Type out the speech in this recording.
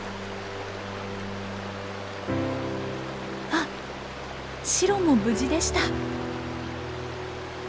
あっシロも無事でした！